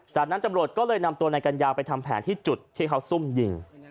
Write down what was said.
จากนั้นตำรวจก็เลยนำตัวนายกัญญาไปทำแผนที่จุดที่เขาซุ่มยิง